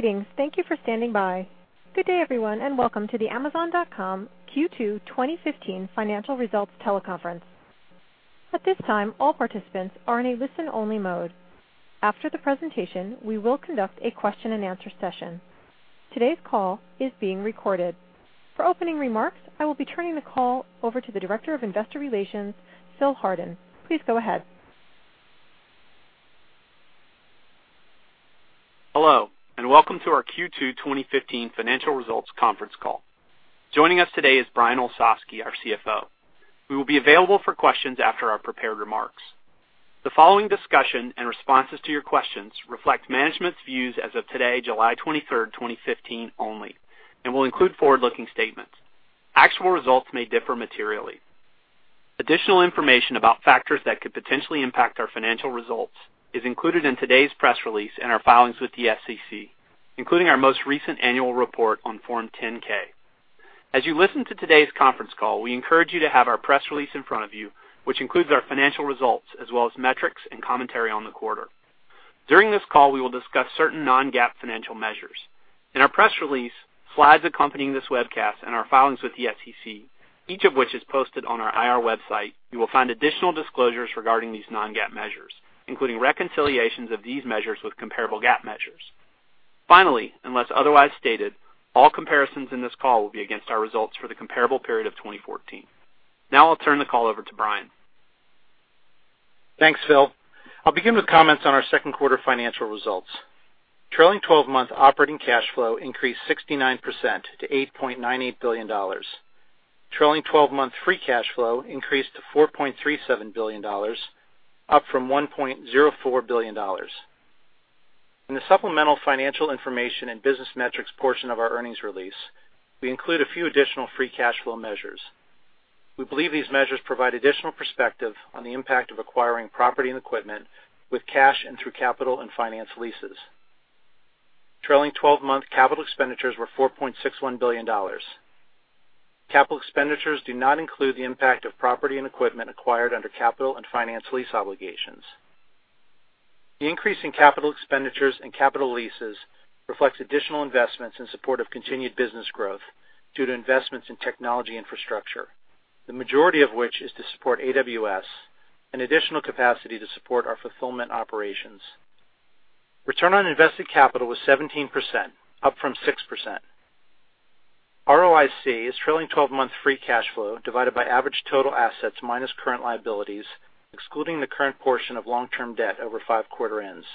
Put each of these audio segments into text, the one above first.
Greetings. Thank you for standing by. Good day, everyone, and welcome to the Amazon.com Q2 2015 financial results teleconference. At this time, all participants are in a listen-only mode. After the presentation, we will conduct a question and answer session. Today's call is being recorded. For opening remarks, I will be turning the call over to the Director of Investor Relations, Phil Hardin. Please go ahead. Hello, welcome to our Q2 2015 financial results conference call. Joining us today is Brian Olsavsky, our CFO. We will be available for questions after our prepared remarks. The following discussion and responses to your questions reflect management's views as of today, July 23rd, 2015 only, and will include forward-looking statements. Actual results may differ materially. Additional information about factors that could potentially impact our financial results is included in today's press release and our filings with the SEC, including our most recent annual report on Form 10-K. As you listen to today's conference call, we encourage you to have our press release in front of you, which includes our financial results as well as metrics and commentary on the quarter. During this call, we will discuss certain non-GAAP financial measures. In our press release, slides accompanying this webcast and our filings with the SEC, each of which is posted on our IR website, you will find additional disclosures regarding these non-GAAP measures, including reconciliations of these measures with comparable GAAP measures. Finally, unless otherwise stated, all comparisons in this call will be against our results for the comparable period of 2014. Now I'll turn the call over to Brian. Thanks, Phil. I'll begin with comments on our second quarter financial results. Trailing 12-month operating cash flow increased 69% to $8.98 billion. Trailing 12-month free cash flow increased to $4.37 billion, up from $1.04 billion. In the supplemental financial information and business metrics portion of our earnings release, we include a few additional free cash flow measures. We believe these measures provide additional perspective on the impact of acquiring property and equipment with cash and through capital and finance leases. Trailing 12-month capital expenditures were $4.61 billion. Capital expenditures do not include the impact of property and equipment acquired under capital and finance lease obligations. The increase in capital expenditures and capital leases reflects additional investments in support of continued business growth due to investments in technology infrastructure, the majority of which is to support AWS and additional capacity to support our fulfillment operations. Return on invested capital was 17%, up from 6%. ROIC is trailing 12-month free cash flow divided by average total assets minus current liabilities, excluding the current portion of long-term debt over five quarter ends.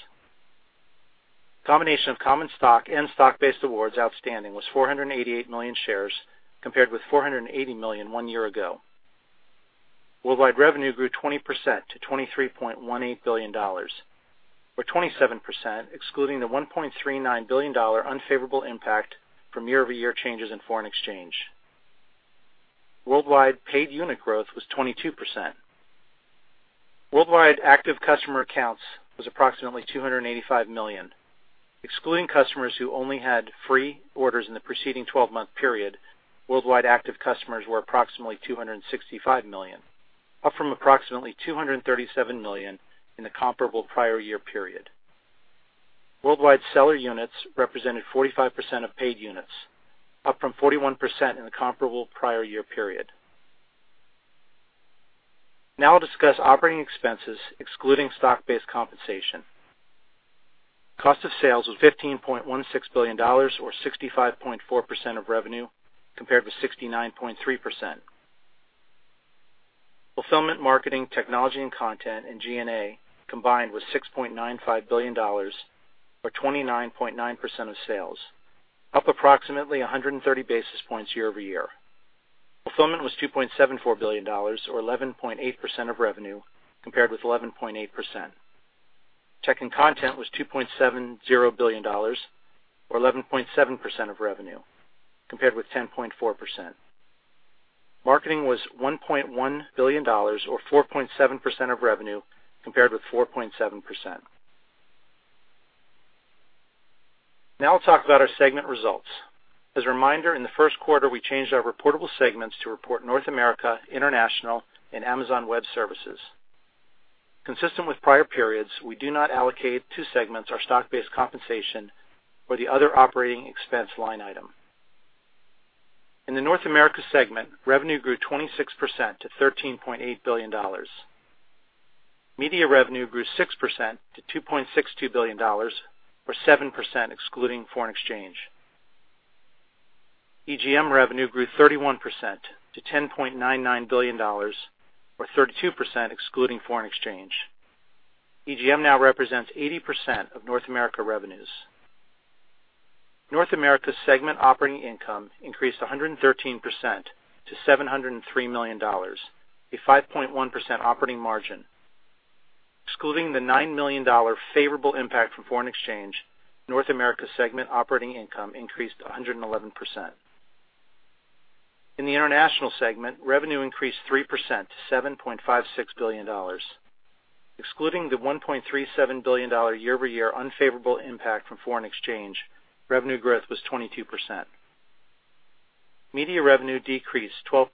Combination of common stock and stock-based awards outstanding was 488 million shares compared with 480 million one year ago. Worldwide revenue grew 20% to $23.18 billion, or 27% excluding the $1.39 billion unfavorable impact from year-over-year changes in foreign exchange. Worldwide paid unit growth was 22%. Worldwide active customer accounts was approximately 285 million. Excluding customers who only had free orders in the preceding 12-month period, worldwide active customers were approximately 265 million, up from approximately 237 million in the comparable prior year period. Worldwide seller units represented 45% of paid units, up from 41% in the comparable prior year period. Now I'll discuss operating expenses excluding stock-based compensation. Cost of sales was $15.16 billion, or 65.4% of revenue, compared with 69.3%. Fulfillment, marketing, technology and content, and G&A combined was $6.95 billion, or 29.9% of sales, up approximately 130 basis points year-over-year. Fulfillment was $2.74 billion, or 11.8% of revenue, compared with 11.8%. Tech and content was $2.70 billion, or 11.7% of revenue, compared with 10.4%. Marketing was $1.1 billion, or 4.7% of revenue, compared with 4.7%. Now I'll talk about our segment results. As a reminder, in the first quarter, we changed our reportable segments to report North America, International, and Amazon Web Services. Consistent with prior periods, we do not allocate to segments our stock-based compensation or the other operating expense line item. In the North America segment, revenue grew 26% to $13.8 billion. Media revenue grew 6% to $2.62 billion, or 7% excluding foreign exchange. EGM revenue grew 31% to $10.99 billion, or 32% excluding foreign exchange. EGM now represents 80% of North America revenues. North America segment operating income increased 113% to $703 million, a 5.1% operating margin. Excluding the $9 million favorable impact from foreign exchange, North America segment operating income increased 111%. In the International segment, revenue increased 3% to $7.56 billion. Excluding the $1.37 billion year-over-year unfavorable impact from foreign exchange, revenue growth was 22%. Media revenue decreased 12%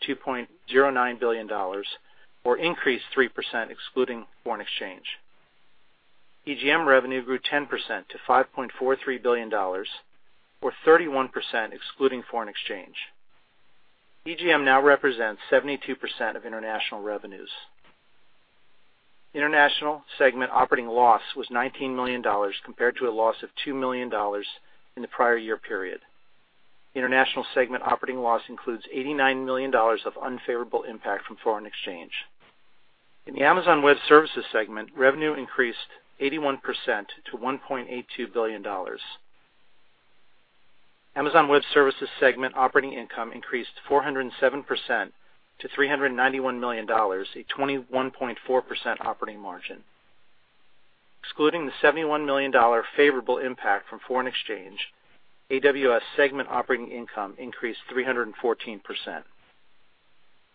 to $2.09 billion, or increased 3% excluding foreign exchange. EGM revenue grew 10% to $5.43 billion, or 31% excluding foreign exchange. EGM now represents 72% of international revenues. International segment operating loss was $19 million compared to a loss of $2 million in the prior year period. International segment operating loss includes $89 million of unfavorable impact from foreign exchange. In the Amazon Web Services segment, revenue increased 81% to $1.82 billion. Amazon Web Services segment operating income increased 407% to $391 million, a 21.4% operating margin. Excluding the $71 million favorable impact from foreign exchange, AWS segment operating income increased 314%.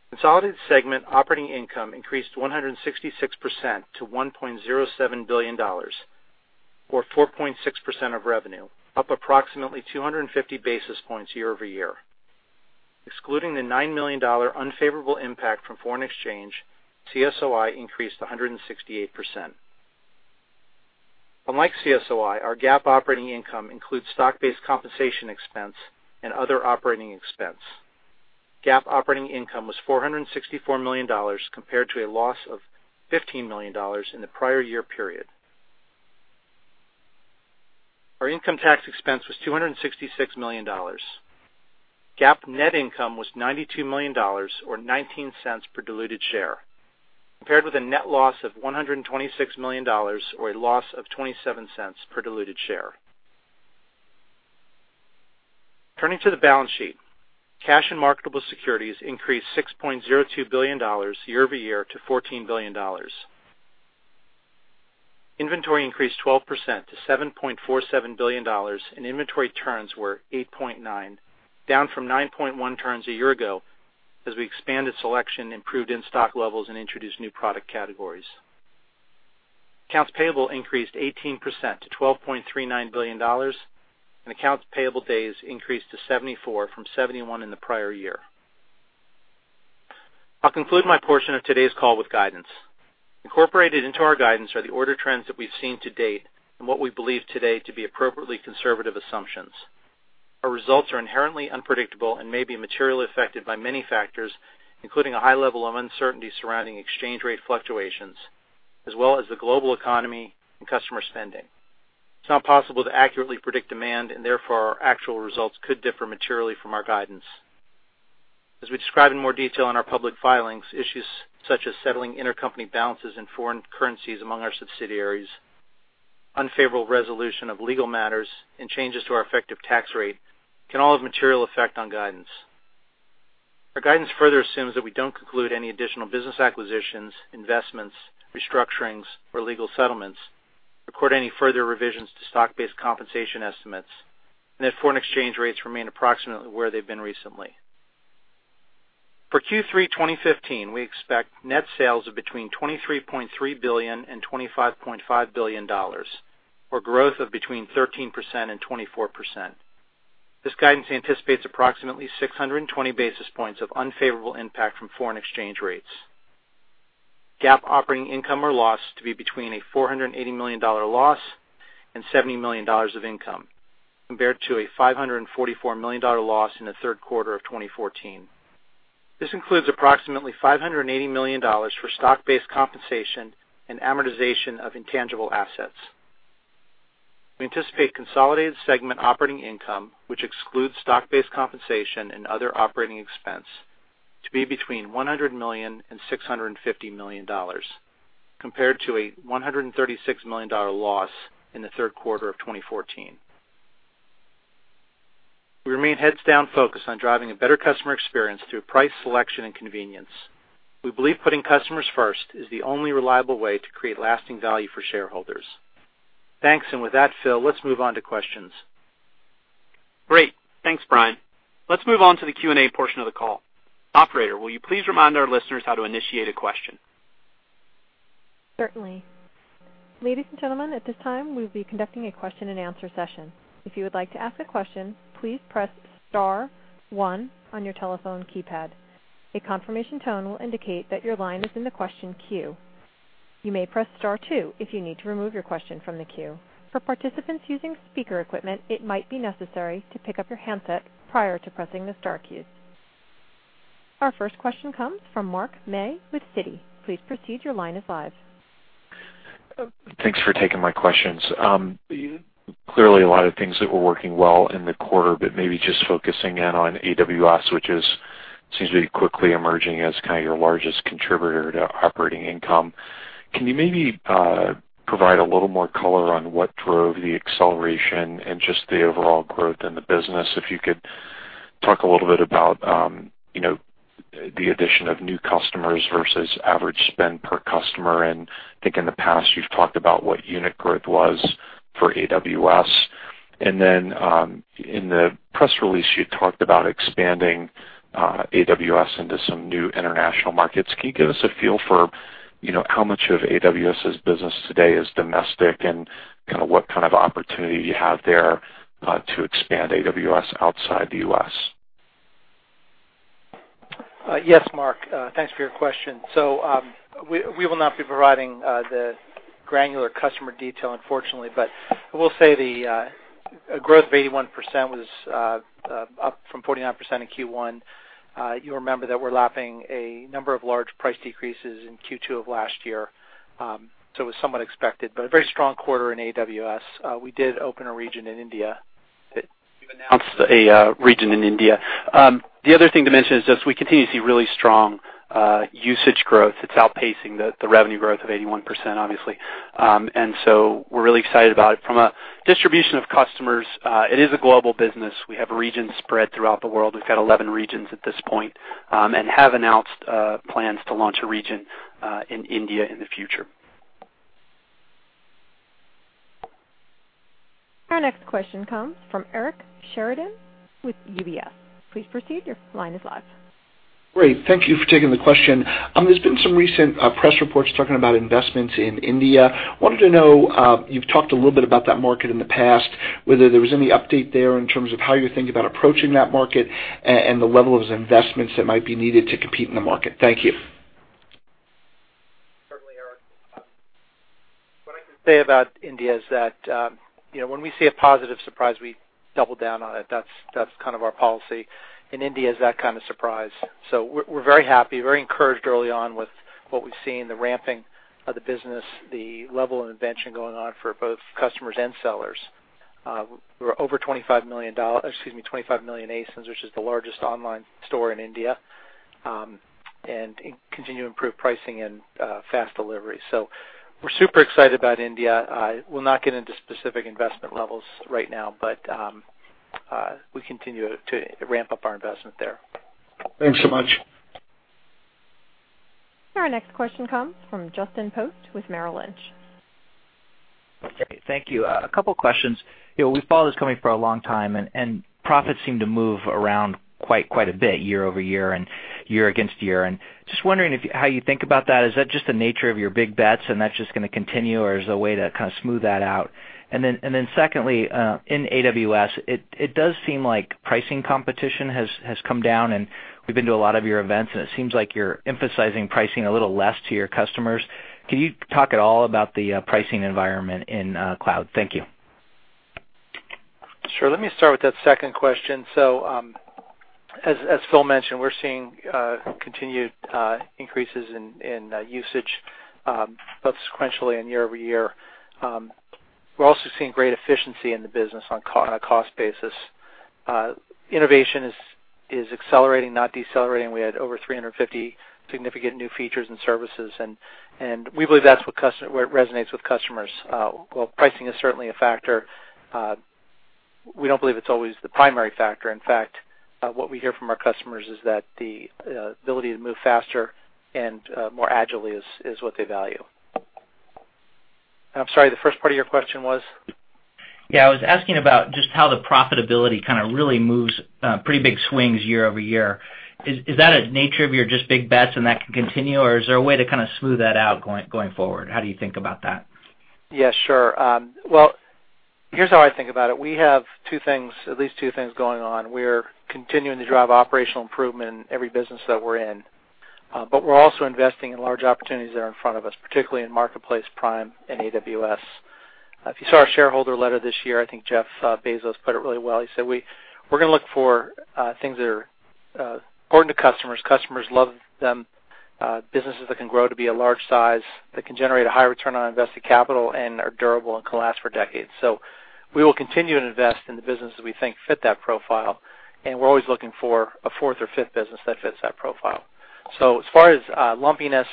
Consolidated segment operating income increased 166% to $1.07 billion, or 4.6% of revenue, up approximately 250 basis points year-over-year. Excluding the $9 million unfavorable impact from foreign exchange, CSOI increased 168%. Unlike CSOI, our GAAP operating income includes stock-based compensation expense and other operating expense. GAAP operating income was $464 million compared to a loss of $15 million in the prior year period. Our income tax expense was $266 million. GAAP net income was $92 million, or $0.19 per diluted share, compared with a net loss of $126 million, or a loss of $0.27 per diluted share. Turning to the balance sheet. Cash and marketable securities increased $6.02 billion year-over-year to $14 billion. Inventory increased 12% to $7.47 billion, and inventory turns were 8.9, down from 9.1 turns a year ago as we expanded selection, improved in-stock levels, and introduced new product categories. Accounts payable increased 18% to $12.39 billion, and accounts payable days increased to 74 from 71 in the prior year. I'll conclude my portion of today's call with guidance. Incorporated into our guidance are the order trends that we've seen to date and what we believe today to be appropriately conservative assumptions. Our results are inherently unpredictable and may be materially affected by many factors, including a high level of uncertainty surrounding exchange rate fluctuations, as well as the global economy and customer spending. It's not possible to accurately predict demand, therefore, our actual results could differ materially from our guidance. As we describe in more detail in our public filings, issues such as settling intercompany balances in foreign currencies among our subsidiaries, unfavorable resolution of legal matters, and changes to our effective tax rate can all have a material effect on guidance. Our guidance further assumes that we don't conclude any additional business acquisitions, investments, restructurings, or legal settlements, record any further revisions to stock-based compensation estimates, and that foreign exchange rates remain approximately where they've been recently. For Q3 2015, we expect net sales of between $23.3 billion and $25.5 billion, or growth of between 13% and 24%. This guidance anticipates approximately 620 basis points of unfavorable impact from foreign exchange rates. GAAP operating income or loss to be between a $480 million loss and $70 million of income, compared to a $544 million loss in the third quarter of 2014. This includes approximately $580 million for stock-based compensation and amortization of intangible assets. We anticipate consolidated segment operating income, which excludes stock-based compensation and other operating expense, to be between $100 million and $650 million, compared to a $136 million loss in the third quarter of 2014. We remain heads-down focused on driving a better customer experience through price, selection, and convenience. We believe putting customers first is the only reliable way to create lasting value for shareholders. Thanks, with that, Phil, let's move on to questions. Great. Thanks, Brian. Let's move on to the Q&A portion of the call. Operator, will you please remind our listeners how to initiate a question? Certainly. Ladies and gentlemen, at this time, we'll be conducting a question-and-answer session. If you would like to ask a question, please press *1 on your telephone keypad. A confirmation tone will indicate that your line is in the question queue. You may press *2 if you need to remove your question from the queue. For participants using speaker equipment, it might be necessary to pick up your handset prior to pressing the star keys. Our first question comes from Mark May with Citi. Please proceed. Your line is live. Thanks for taking my questions. Clearly, a lot of things that were working well in the quarter, maybe just focusing in on AWS, which seems to be quickly emerging as kind of your largest contributor to operating income. Can you maybe provide a little more color on what drove the acceleration and just the overall growth in the business? If you could talk a little bit about the addition of new customers versus average spend per customer, I think in the past you've talked about what unit growth was for AWS. Then in the press release, you talked about expanding AWS into some new international markets. Can you give us a feel for how much of AWS's business today is domestic and kind of what kind of opportunity you have there to expand AWS outside the U.S.? Yes, Mark. Thanks for your question. We will not be providing the granular customer detail, unfortunately, but I will say the growth of 81% was up from 49% in Q1. You remember that we're lapping a number of large price decreases in Q2 of last year, so it was somewhat expected, but a very strong quarter in AWS. We did open a region in India, we've announced a region in India. The other thing to mention is just we continue to see really strong usage growth. It's outpacing the revenue growth of 81%, obviously. We're really excited about it. From a distribution of customers, it is a global business. We have regions spread throughout the world. We've got 11 regions at this point, and have announced plans to launch a region in India in the future. Our next question comes from Eric Sheridan with UBS. Please proceed. Your line is live. Great. Thank you for taking the question. There's been some recent press reports talking about investments in India. Wanted to know, you've talked a little bit about that market in the past, whether there was any update there in terms of how you think about approaching that market and the level of investments that might be needed to compete in the market. Thank you. Certainly, Eric. What I can say about India is that when we see a positive surprise, we double down on it. That's kind of our policy. India is that kind of surprise. We're very happy, very encouraged early on with what we've seen, the ramping of the business, the level of invention going on for both customers and sellers. We're over 25 million ASINs, which is the largest online store in India, and continue to improve pricing and fast delivery. We're super excited about India. We'll not get into specific investment levels right now, but we continue to ramp up our investment there. Thanks so much. Our next question comes from Justin Post with Merrill Lynch. Great. Thank you. A couple questions. We've followed this company for a long time, profits seem to move around quite a bit year-over-year and year against year. Just wondering how you think about that. Is that just the nature of your big bets and that's just going to continue, or is there a way to kind of smooth that out? Secondly, in AWS, it does seem like pricing competition has come down, we've been to a lot of your events, and it seems like you're emphasizing pricing a little less to your customers. Can you talk at all about the pricing environment in cloud? Thank you. Sure. Let me start with that second question. As Phil mentioned, we're seeing continued increases in usage both sequentially and year-over-year. We're also seeing great efficiency in the business on a cost basis. Innovation is accelerating, not decelerating. We had over 350 significant new features and services, we believe that resonates with customers. While pricing is certainly a factor, we don't believe it's always the primary factor. In fact, what we hear from our customers is that the ability to move faster and more agilely is what they value. I'm sorry, the first part of your question was? I was asking about just how the profitability kind of really moves pretty big swings year-over-year. Is that a nature of your just big bets and that can continue, or is there a way to kind of smooth that out going forward? How do you think about that? Sure. Well, here's how I think about it. We have at least two things going on. We're continuing to drive operational improvement in every business that we're in, we're also investing in large opportunities that are in front of us, particularly in Marketplace, Prime, and AWS. If you saw our shareholder letter this year, I think Jeff Bezos put it really well. He said, "We're going to look for things that are important to customers love them, businesses that can grow to be a large size, that can generate a high return on invested capital and are durable and can last for decades." We will continue to invest in the business that we think fit that profile, and we're always looking for a fourth or fifth business that fits that profile. As far as lumpiness,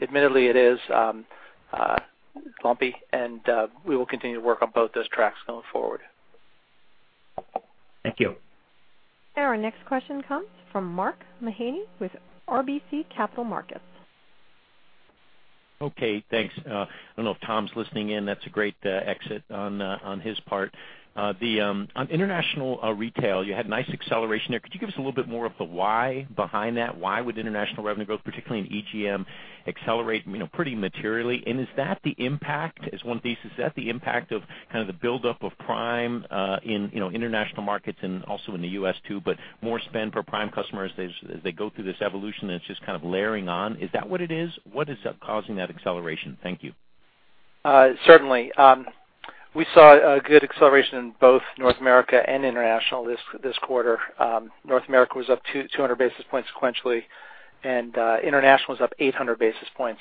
admittedly it is lumpy, and we will continue to work on both those tracks going forward. Thank you. Our next question comes from Mark Mahaney with RBC Capital Markets. Okay, thanks. I don't know if Tom's listening in. That's a great exit on his part. On international retail, you had nice acceleration there. Could you give us a little bit more of the why behind that? Why would international revenue growth, particularly in EGM, accelerate pretty materially? Is that the impact as one thesis, is that the impact of kind of the buildup of Prime in international markets and also in the U.S. too, but more spend per Prime customers as they go through this evolution, and it's just kind of layering on? Is that what it is? What is causing that acceleration? Thank you. Certainly. We saw a good acceleration in both North America and international this quarter. North America was up 200 basis points sequentially, international was up 800 basis points.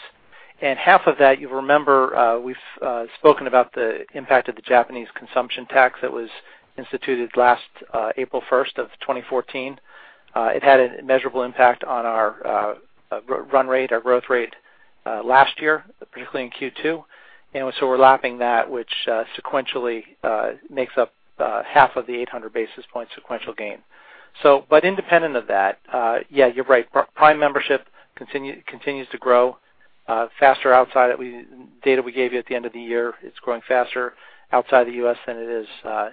Half of that, you will remember, we have spoken about the impact of the Japanese consumption tax that was instituted last April 1st of 2014. It had a measurable impact on our run rate, our growth rate last year, particularly in Q2. So we are lapping that, which sequentially makes up half of the 800 basis point sequential gain. Independent of that, yeah you are right. Prime membership continues to grow faster outside. Data we gave you at the end of the year, it is growing faster outside the U.S. than it is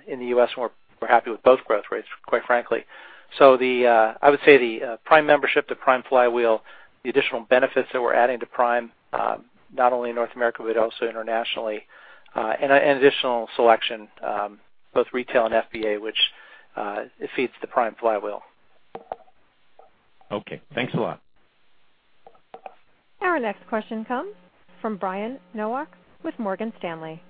in the U.S., and we are happy with both growth rates, quite frankly. I would say the Prime membership, the Prime flywheel, the additional benefits that we are adding to Prime, not only in North America but also internationally, and additional selection both retail and FBA, which feeds the Prime flywheel. Okay. Thanks a lot. Our next question comes from Brian Nowak with Morgan Stanley.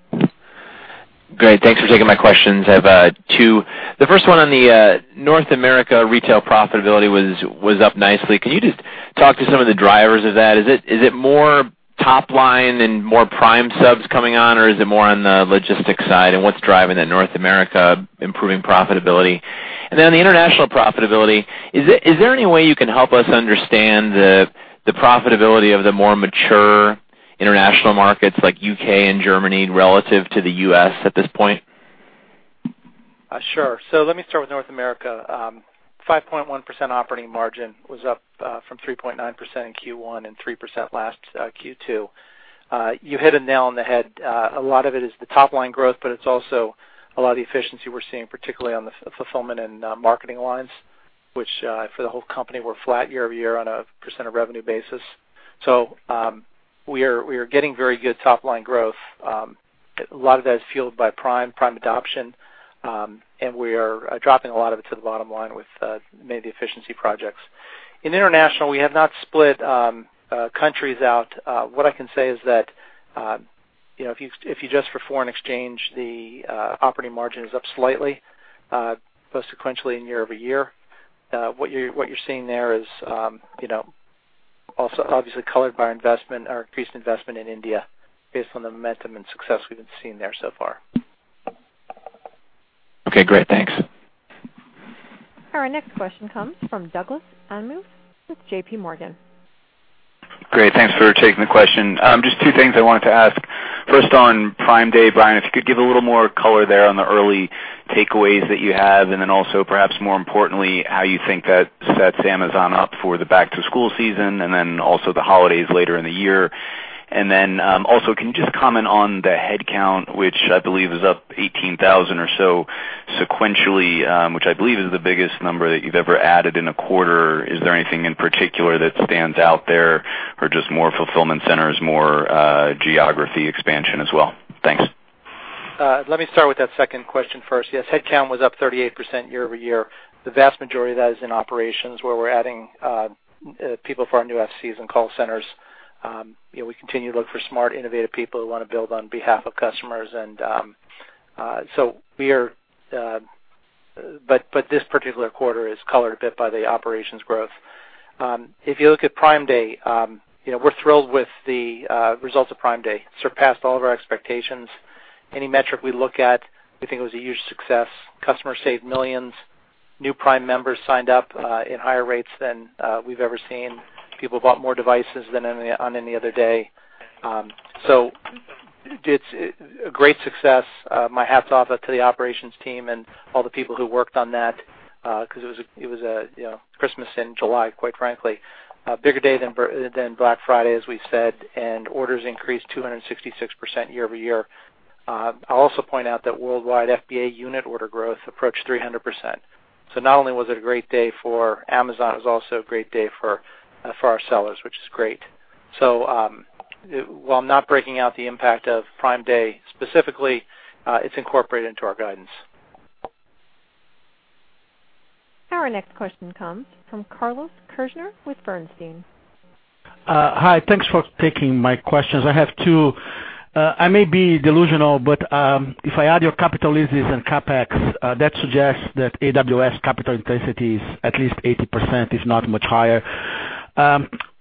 Great. Thanks for taking my questions. I have two. The first one on the North America retail profitability was up nicely. Can you just talk to some of the drivers of that? Is it more top-line and more Prime subs coming on, or is it more on the logistics side? What's driving that North America improving profitability? The international profitability, is there any way you can help us understand the profitability of the more mature international markets like U.K. and Germany relative to the U.S. at this point? Sure. Let me start with North America. 5.1% operating margin was up from 3.9% in Q1 and 3% last Q2. You hit the nail on the head. A lot of it is the top-line growth, but it's also a lot of the efficiency we're seeing particularly on the fulfillment and marketing lines, which for the whole company were flat year-over-year on a % of revenue basis. We are getting very good top-line growth. A lot of that is fueled by Prime adoption. We are dropping a lot of it to the bottom line with many efficiency projects. In international, we have not split countries out. What I can say is that if you adjust for foreign exchange, the operating margin is up slightly both sequentially and year-over-year. What you're seeing there is also obviously colored by our increased investment in India based on the momentum and success we've been seeing there so far. Okay, great. Thanks. Our next question comes from Doug Anmuth with J.P. Morgan. Great. Thanks for taking the question. Just two things I wanted to ask. First, on Prime Day, Brian, if you could give a little more color there on the early takeaways that you have, and then also perhaps more importantly, how you think that sets Amazon up for the back-to-school season, and then also the holidays later in the year. Can you just comment on the headcount, which I believe is up 18,000 or so sequentially, which I believe is the biggest number that you've ever added in a quarter. Is there anything in particular that stands out there or just more fulfillment centers, more geography expansion as well? Thanks. Let me start with that second question first. Yes, headcount was up 38% year-over-year. The vast majority of that is in operations where we're adding people for our new FCs and call centers. We continue to look for smart, innovative people who want to build on behalf of customers. This particular quarter is colored a bit by the operations growth. If you look at Prime Day, we're thrilled with the results of Prime Day. Surpassed all of our expectations. Any metric we look at, we think it was a huge success. Customers saved millions. New Prime members signed up in higher rates than we've ever seen. People bought more devices than on any other day. It's a great success. My hat's off to the operations team and all the people who worked on that, because it was Christmas in July, quite frankly. A bigger day than Black Friday, as we said, orders increased 266% year-over-year. I'll also point out that worldwide FBA unit order growth approached 300%. Not only was it a great day for Amazon, it was also a great day for our sellers, which is great. While I'm not breaking out the impact of Prime Day specifically, it's incorporated into our guidance. Our next question comes from Carlos Kirjner with Bernstein. Hi, thanks for taking my questions. I have two. I may be delusional, but if I add your capital leases and CapEx, that suggests that AWS capital intensity is at least 80%, if not much higher.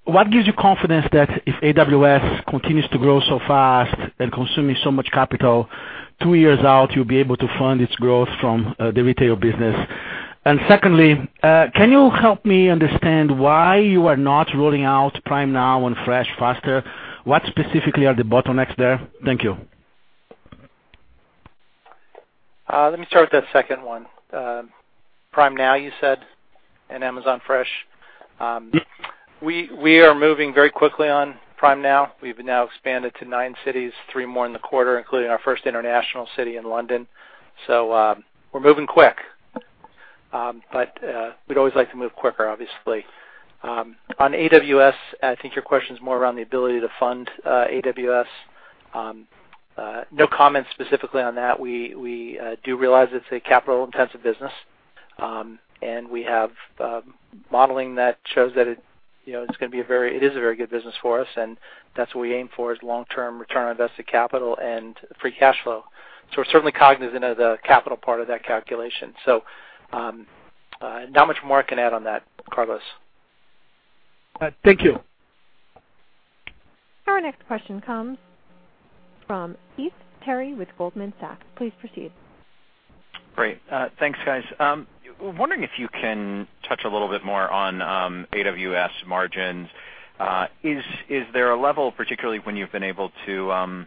What gives you confidence that if AWS continues to grow so fast and consuming so much capital, two years out, you'll be able to fund its growth from the retail business? Secondly, can you help me understand why you are not rolling out Prime Now and Fresh faster? What specifically are the bottlenecks there? Thank you. Let me start with that second one. Prime Now you said, and Amazon Fresh. We are moving very quickly on Prime Now. We've now expanded to nine cities, three more in the quarter, including our first international city in London. We're moving quick. We'd always like to move quicker, obviously. On AWS, I think your question's more around the ability to fund AWS. No comment specifically on that. We do realize it's a capital-intensive business, and we have modeling that shows that it is a very good business for us, and that's what we aim for is long-term return on invested capital and free cash flow. We're certainly cognizant of the capital part of that calculation. Not much more I can add on that, Carlos. Thank you. Our next question comes from Heath Terry with Goldman Sachs. Please proceed. Great. Thanks, guys. Wondering if you can touch a little bit more on AWS margins. Is there a level, particularly when you've been able to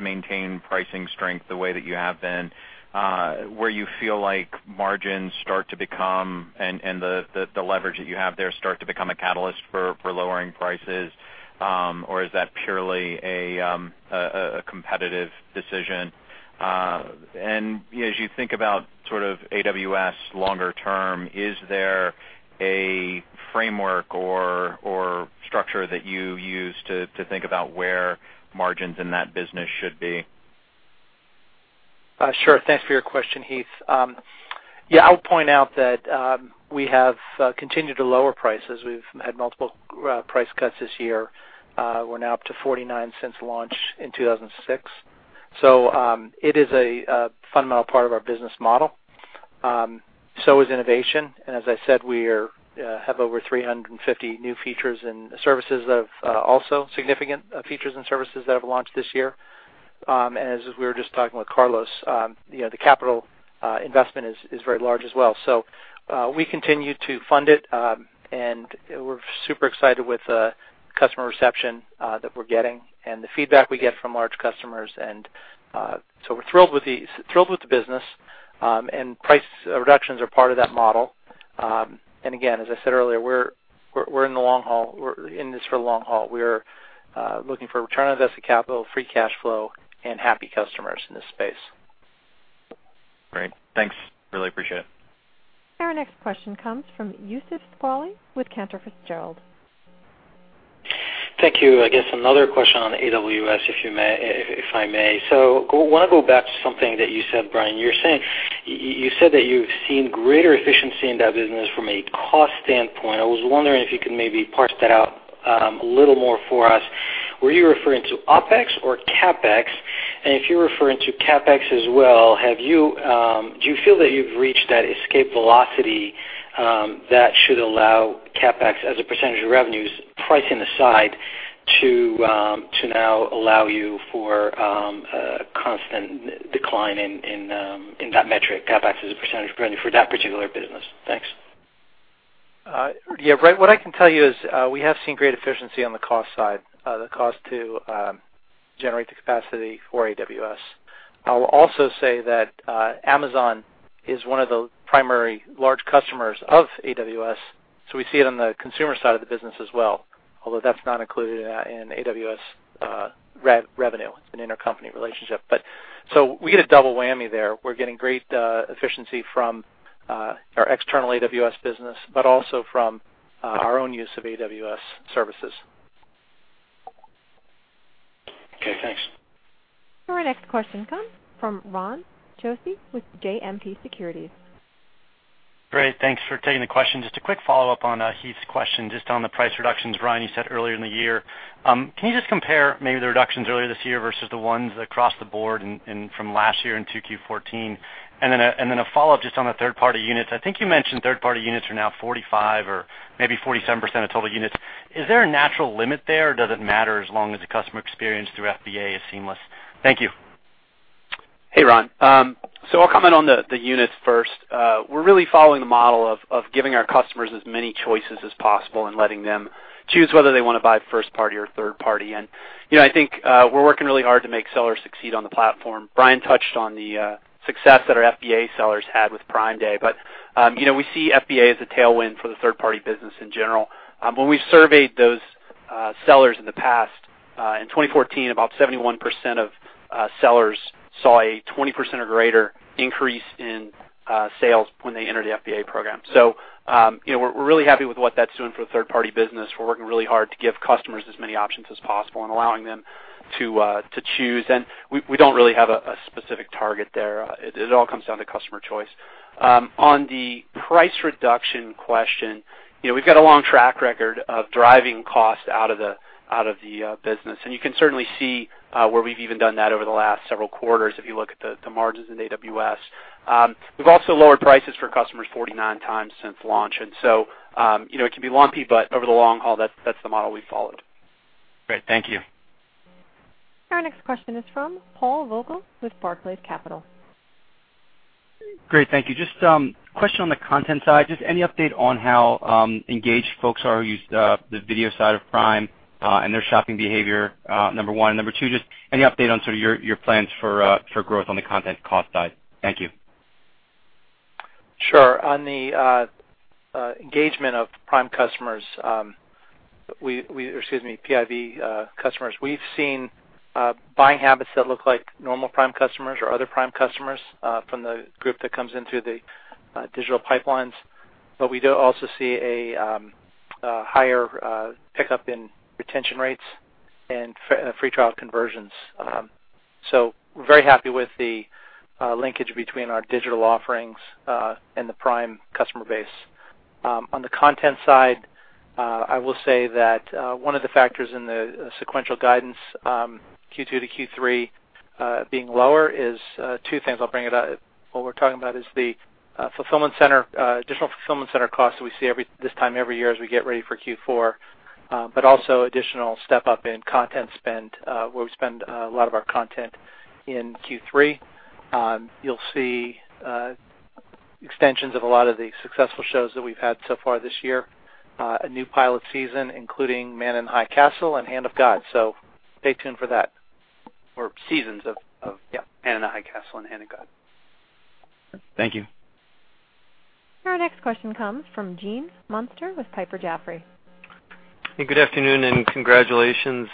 maintain pricing strength the way that you have been, where you feel like margins start to become, and the leverage that you have there start to become a catalyst for lowering prices? Or is that purely a competitive decision? As you think about sort of AWS longer term, is there a framework or structure that you use to think about where margins in that business should be? Sure. Thanks for your question, Heath. I would point out that we have continued to lower prices. We've had multiple price cuts this year. We're now up to 49 since launch in 2006. It is a fundamental part of our business model. Is innovation, and as I said, we have over 350 new features and services, also significant features and services that have launched this year. As we were just talking with Carlos, the capital investment is very large as well. We continue to fund it, and we're super excited with the customer reception that we're getting and the feedback we get from large customers. We're thrilled with the business, and price reductions are part of that model. Again, as I said earlier, we're in this for the long haul. We're looking for return on invested capital, free cash flow, and happy customers in this space. Great. Thanks. Really appreciate it. Our next question comes from Youssef Squali with Cantor Fitzgerald. Thank you. I guess another question on AWS, if I may. I want to go back to something that you said, Brian. You said that you've seen greater efficiency in that business from a cost standpoint. I was wondering if you could maybe parse that out a little more for us. Were you referring to OpEx or CapEx? If you're referring to CapEx as well, do you feel that you've reached that escape velocity that should allow CapEx as a percentage of revenues, pricing aside, to now allow you for a constant decline in that metric, CapEx as a percentage of revenue for that particular business? Thanks. Yeah, right. What I can tell you is we have seen great efficiency on the cost side, the cost to generate the capacity for AWS. I will also say that Amazon is one of the primary large customers of AWS, we see it on the consumer side of the business as well, although that's not included in AWS revenue. It's an intercompany relationship. We get a double whammy there. We're getting great efficiency from our external AWS business, but also from our own use of AWS services. Okay, thanks. Our next question comes from Ronald Josey with JMP Securities. Great. Thanks for taking the question. Just a quick follow-up on Heath's question, just on the price reductions, Brian, you said earlier in the year. Can you just compare maybe the reductions earlier this year versus the ones across the board from last year in 2Q 2014? Then a follow-up just on the third-party units. I think you mentioned third-party units are now 45% or maybe 47% of total units. Is there a natural limit there, or does it matter as long as the customer experience through FBA is seamless? Thank you. Hey, Ron. I'll comment on the units first. We're really following the model of giving our customers as many choices as possible and letting them choose whether they want to buy first party or third party. I think we're working really hard to make sellers succeed on the platform. Brian touched on the success that our FBA sellers had with Prime Day, but we see FBA as a tailwind for the third-party business in general. When we surveyed those sellers in the past, in 2014, about 71% of sellers saw a 20% or greater increase in sales when they entered the FBA program. We're really happy with what that's doing for the third-party business. We're working really hard to give customers as many options as possible and allowing them to choose. We don't really have a specific target there. It all comes down to customer choice. On the price reduction question, we've got a long track record of driving cost out of the business, and you can certainly see where we've even done that over the last several quarters if you look at the margins in AWS. We've also lowered prices for customers 49 times since launch, and so it can be lumpy, but over the long haul, that's the model we've followed. Great. Thank you. Our next question is from Paul Vogel with Barclays Capital. Great. Thank you. Just a question on the content side. Just any update on how engaged folks are who use the video side of Prime and their shopping behavior, number one. Number two, just any update on sort of your plans for growth on the content cost side? Thank you. Sure. On the engagement of PIV customers, we've seen buying habits that look like normal Prime customers or other Prime customers from the group that comes into the digital pipelines. We do also see a higher pickup in retention rates and free trial conversions. We're very happy with the linkage between our digital offerings and the Prime customer base. On the content side, I will say that one of the factors in the sequential guidance, Q2 to Q3 being lower is two things. What we're talking about is the additional fulfillment center costs that we see this time every year as we get ready for Q4, but also additional step-up in content spend, where we spend a lot of our content in Q3. You'll see extensions of a lot of the successful shows that we've had so far this year, a new pilot season, including "Man in High Castle" and "Hand of God." Stay tuned for that, or seasons of "Man in High Castle" and "Hand of God. Thank you. Our next question comes from Gene Munster with Piper Jaffray. Good afternoon, and congratulations.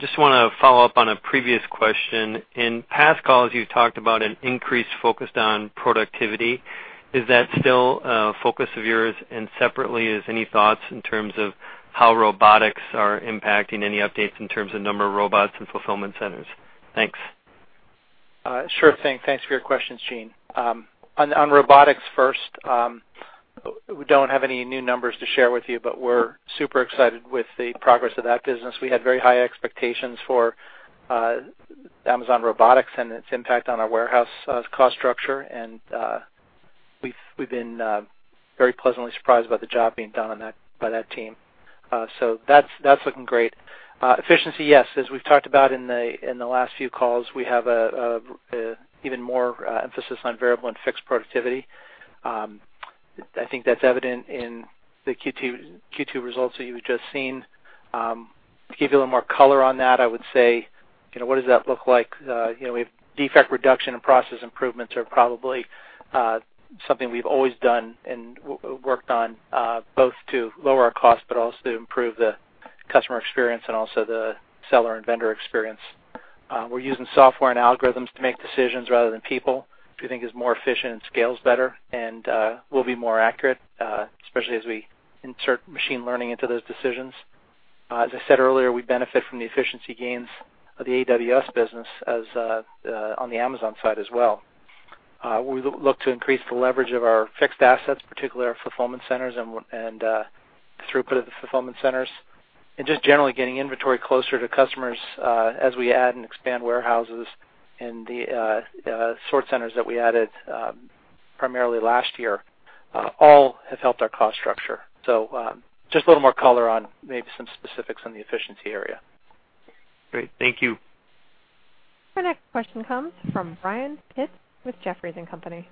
Just want to follow up on a previous question. In past calls, you've talked about an increase focused on productivity Is that still a focus of yours? Separately, any thoughts in terms of how robotics are impacting any updates in terms of number of robots in fulfillment centers? Thanks. Sure thing. Thanks for your questions, Gene. On robotics first, we don't have any new numbers to share with you, but we're super excited with the progress of that business. We had very high expectations for Amazon Robotics and its impact on our warehouse cost structure, and we've been very pleasantly surprised about the job being done on that by that team. That's looking great. Efficiency, yes. As we've talked about in the last few calls, we have even more emphasis on variable and fixed productivity. I think that's evident in the Q2 results that you've just seen. To give you a little more color on that, I would say, what does that look like? Defect reduction and process improvements are probably something we've always done and worked on, both to lower our cost, but also to improve the customer experience and also the seller and vendor experience. We're using software and algorithms to make decisions rather than people, which we think is more efficient and scales better and will be more accurate, especially as we insert machine learning into those decisions. As I said earlier, we benefit from the efficiency gains of the AWS business on the Amazon side as well. We look to increase the leverage of our fixed assets, particularly our fulfillment centers and throughput of the fulfillment centers, and just generally getting inventory closer to customers as we add and expand warehouses and the sort centers that we added primarily last year. All have helped our cost structure. Just a little more color on maybe some specifics on the efficiency area. Great. Thank you. Our next question comes from Brian Pitz with Jefferies and Company.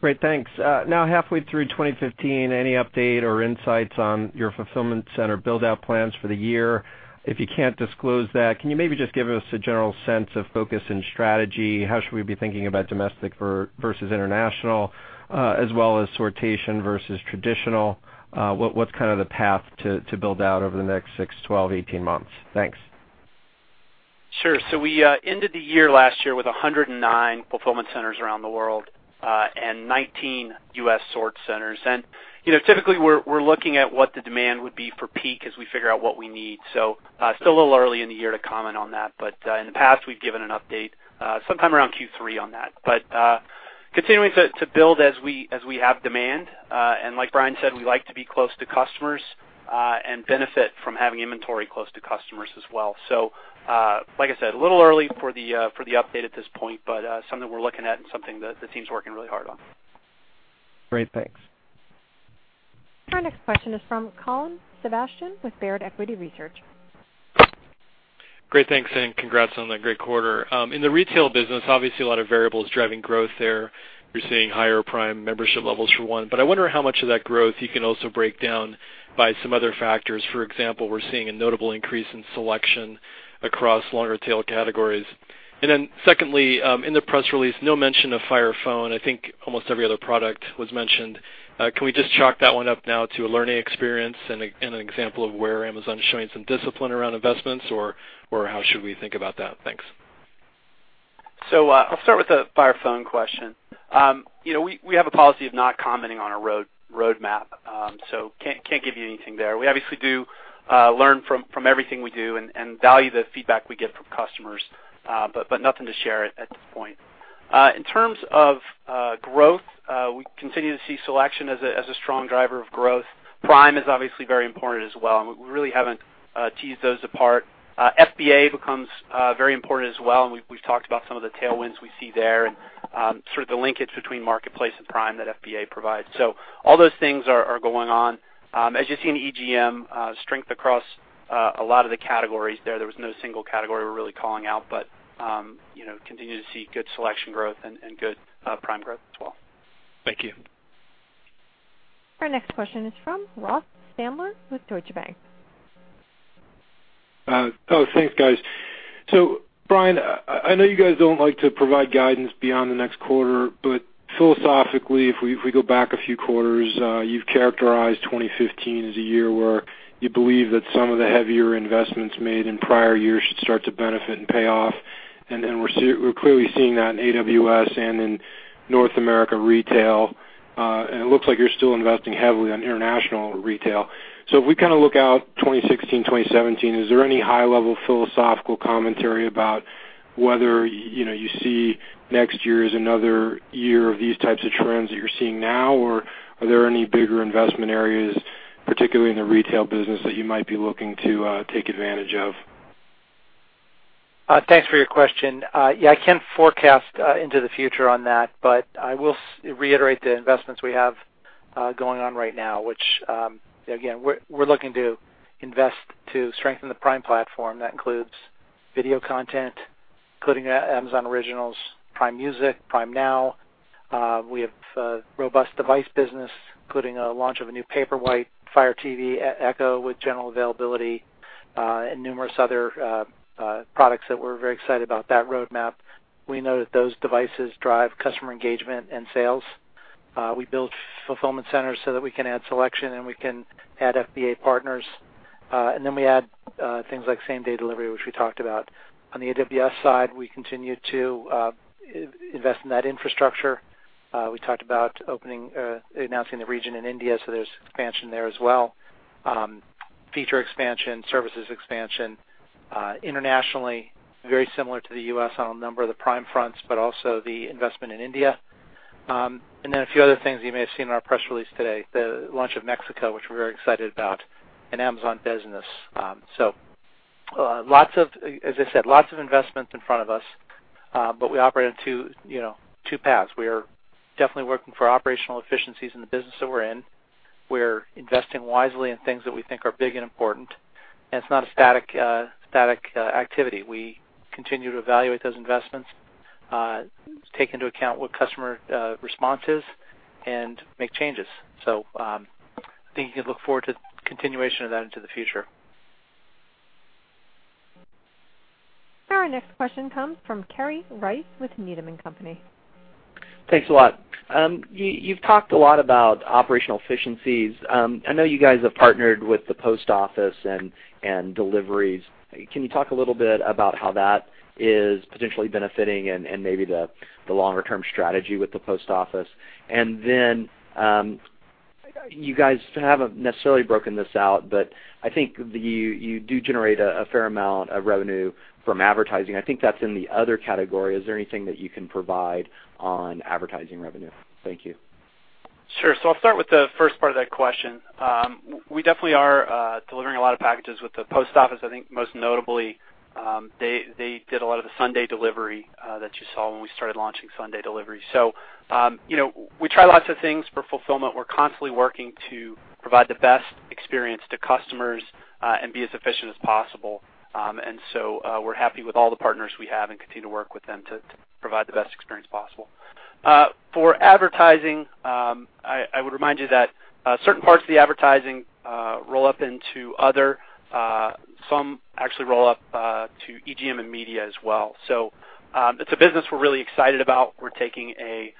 Great. Thanks. Halfway through 2015, any update or insights on your fulfillment center build-out plans for the year? If you can't disclose that, can you maybe just give us a general sense of focus and strategy? How should we be thinking about domestic versus international, as well as sortation versus traditional? What's the path to build out over the next six, 12, 18 months? Thanks. Sure. We ended the year last year with 109 fulfillment centers around the world, and 19 U.S. sort centers. Typically, we're looking at what the demand would be for peak as we figure out what we need. Still a little early in the year to comment on that, but in the past, we've given an update sometime around Q3 on that. Continuing to build as we have demand. Like Brian said, we like to be close to customers, and benefit from having inventory close to customers as well. Like I said, a little early for the update at this point, but something we're looking at and something that the team's working really hard on. Great. Thanks. Our next question is from Colin Sebastian with Baird Equity Research. Great. Thanks. Congrats on the great quarter. In the retail business, obviously a lot of variables driving growth there. We're seeing higher Prime membership levels for one, but I wonder how much of that growth you can also break down by some other factors. For example, we're seeing a notable increase in selection across longer-tail categories. Secondly, in the press release, no mention of Fire Phone. I think almost every other product was mentioned. Can we just chalk that one up now to a learning experience and an example of where Amazon's showing some discipline around investments, or how should we think about that? Thanks. I'll start with the Fire Phone question. We have a policy of not commenting on our roadmap, so can't give you anything there. We obviously do learn from everything we do and value the feedback we get from customers, but nothing to share at this point. In terms of growth, we continue to see selection as a strong driver of growth. Prime is obviously very important as well, and we really haven't teased those apart. FBA becomes very important as well, and we've talked about some of the tailwinds we see there and sort of the linkage between Marketplace and Prime that FBA provides. All those things are going on. As you see in EGM, strength across a lot of the categories there. There was no single category we're really calling out, but continue to see good selection growth and good Prime growth as well. Thank you. Our next question is from Ross Sandler with Deutsche Bank. Thanks, guys. Brian, I know you guys don't like to provide guidance beyond the next quarter, but philosophically, if we go back a few quarters, you've characterized 2015 as a year where you believe that some of the heavier investments made in prior years should start to benefit and pay off, and we're clearly seeing that in AWS and in North America retail. It looks like you're still investing heavily on international retail. If we look out 2016, 2017, is there any high-level philosophical commentary about whether you see next year as another year of these types of trends that you're seeing now, or are there any bigger investment areas, particularly in the retail business, that you might be looking to take advantage of? Thanks for your question. I can't forecast into the future on that, but I will reiterate the investments we have going on right now. Which, again, we're looking to invest to strengthen the Prime platform. That includes video content, including Amazon Originals, Prime Music, Prime Now. We have a robust device business, including a launch of a new Paperwhite, Fire TV, Echo with general availability, and numerous other products that we're very excited about that roadmap. We know that those devices drive customer engagement and sales. We build fulfillment centers so that we can add selection and we can add FBA partners. Then we add things like same-day delivery, which we talked about. On the AWS side, we continue to invest in that infrastructure. We talked about announcing the region in India, so there's expansion there as well. Feature expansion, services expansion internationally, very similar to the U.S. on a number of the Prime fronts, but also the investment in India. A few other things you may have seen in our press release today, the launch of Mexico, which we're very excited about, and Amazon Business. As I said, lots of investments in front of us, but we operate in two paths. We are definitely working for operational efficiencies in the business that we're in. We're investing wisely in things that we think are big and important. It's not a static activity. We continue to evaluate those investments, take into account what customer response is, and make changes. I think you can look forward to the continuation of that into the future. Our next question comes from Kerry Rice with Needham & Company. Thanks a lot. You've talked a lot about operational efficiencies. I know you guys have partnered with the Post Office and deliveries. Can you talk a little bit about how that is potentially benefiting and maybe the longer-term strategy with the Post Office? You guys haven't necessarily broken this out, but I think you do generate a fair amount of revenue from advertising. I think that's in the other category. Is there anything that you can provide on advertising revenue? Thank you. Sure. I'll start with the first part of that question. We definitely are delivering a lot of packages with the Post Office. I think most notably, they did a lot of the Sunday delivery that you saw when we started launching Sunday delivery. We try lots of things for fulfillment. We're constantly working to provide the best experience to customers and be as efficient as possible. We're happy with all the partners we have and continue to work with them to provide the best experience possible. For advertising, I would remind you that certain parts of the advertising roll up into other, some actually roll up to EGM and media as well. It's a business we're really excited about. We're taking a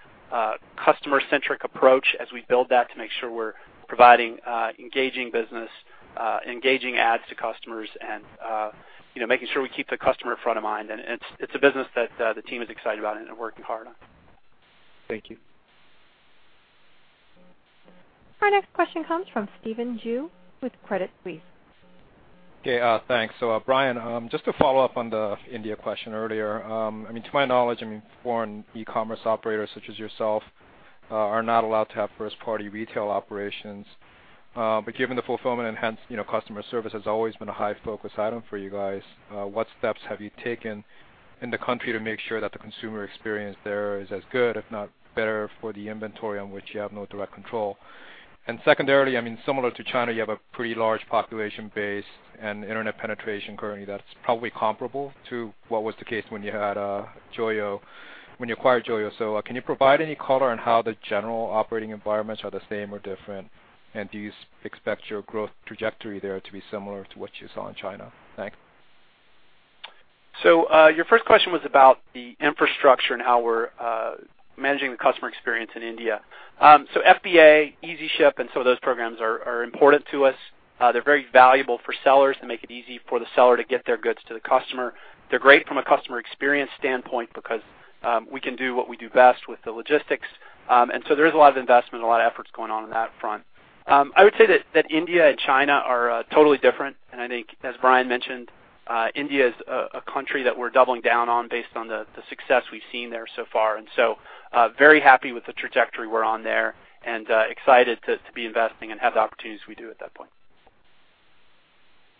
customer-centric approach as we build that to make sure we're providing engaging ads to customers and making sure we keep the customer front of mind. It's a business that the team is excited about and working hard on. Thank you. Our next question comes from Stephen Ju with Credit Suisse. Okay, thanks. Brian, just to follow up on the India question earlier. To my knowledge, foreign e-commerce operators such as yourself are not allowed to have first-party retail operations. Given the fulfillment and hence customer service has always been a high-focus item for you guys, what steps have you taken in the country to make sure that the consumer experience there is as good, if not better, for the inventory on which you have no direct control? Secondarily, similar to China, you have a pretty large population base and internet penetration currently that's probably comparable to what was the case when you acquired Joyo.com. Can you provide any color on how the general operating environments are the same or different? Do you expect your growth trajectory there to be similar to what you saw in China? Thanks. Your first question was about the infrastructure and how we're managing the customer experience in India. FBA, Easy Ship, and some of those programs are important to us. They're very valuable for sellers to make it easy for the seller to get their goods to the customer. They're great from a customer experience standpoint because we can do what we do best with the logistics. There is a lot of investment, a lot of efforts going on in that front. I would say that India and China are totally different, and I think as Brian mentioned, India is a country that we're doubling down on based on the success we've seen there so far. Very happy with the trajectory we're on there and excited to be investing and have the opportunities we do at that point.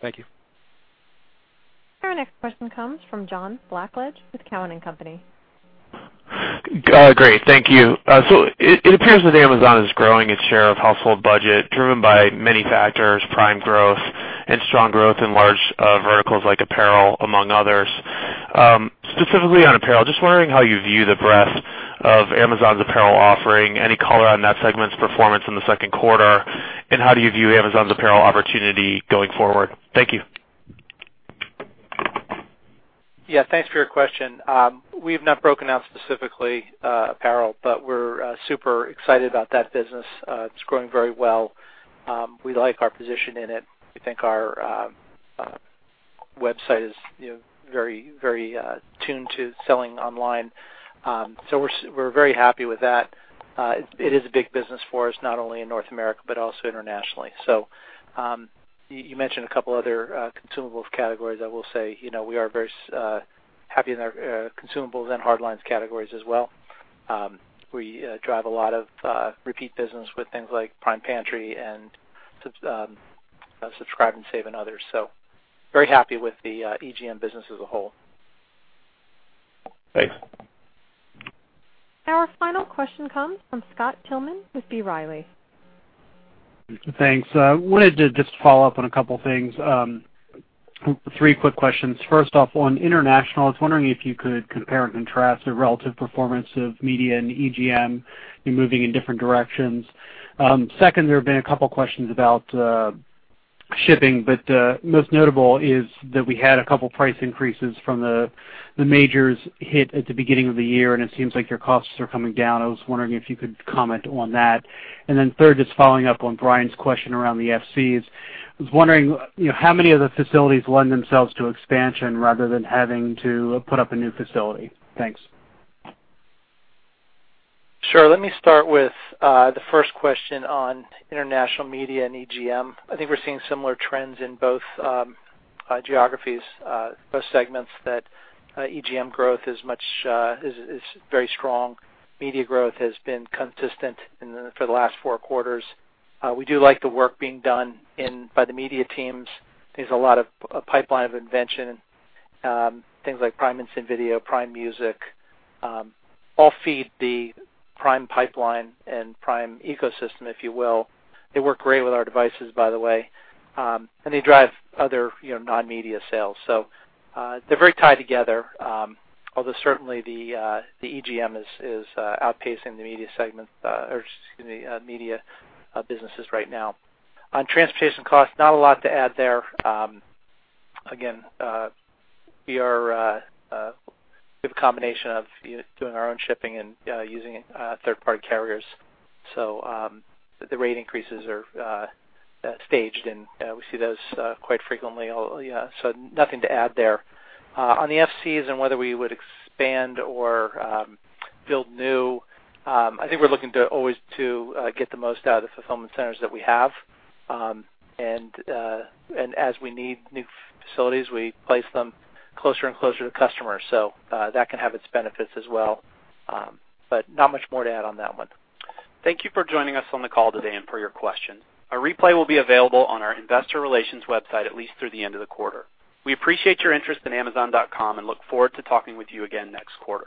Thank you. Our next question comes from John Blackledge with Cowen and Company. Great. Thank you. It appears that Amazon is growing its share of household budget driven by many factors, Prime growth, and strong growth in large verticals like apparel, among others. Specifically on apparel, just wondering how you view the breadth of Amazon's apparel offering. Any color on that segment's performance in the second quarter, and how do you view Amazon's apparel opportunity going forward? Thank you. Yeah. Thanks for your question. We've not broken out specifically apparel. We're super excited about that business. It's growing very well. We like our position in it. We think our website is very tuned to selling online. We're very happy with that. It is a big business for us, not only in North America, but also internationally. You mentioned a couple other consumables categories. I will say we are very happy in our consumables and hardlines categories as well. We drive a lot of repeat business with things like Prime Pantry and Subscribe & Save and others. Very happy with the EGM business as a whole. Thanks. Our final question comes from Scott Tilghman with B. Riley. Thanks. I wanted to just follow up on a couple things. Three quick questions. First off, on international, I was wondering if you could compare and contrast the relative performance of media and EGM moving in different directions. Second, there have been a couple questions about shipping. Most notable is that we had a couple price increases from the majors hit at the beginning of the year, and it seems like your costs are coming down. I was wondering if you could comment on that. Third, just following up on Brian's question around the FCs. I was wondering how many of the facilities lend themselves to expansion rather than having to put up a new facility? Thanks. Sure. Let me start with the first question on international media and EGM. I think we're seeing similar trends in both geographies, both segments that EGM growth is very strong. Media growth has been consistent for the last four quarters. We do like the work being done by the media teams. There's a lot of pipeline of invention, things like Prime Instant Video, Prime Music, all feed the Prime pipeline and Prime ecosystem, if you will. They work great with our devices, by the way. They drive other non-media sales. They're very tied together. Although certainly the EGM is outpacing the media businesses right now. On transportation costs, not a lot to add there. Again, we have a combination of doing our own shipping and using third-party carriers. The rate increases are staged, and we see those quite frequently, so nothing to add there. On the FCs and whether we would expand or build new, I think we're looking always to get the most out of the fulfillment centers that we have. As we need new facilities, we place them closer and closer to customers. That can have its benefits as well. Not much more to add on that one. Thank you for joining us on the call today and for your questions. A replay will be available on our investor relations website at least through the end of the quarter. We appreciate your interest in amazon.com and look forward to talking with you again next quarter.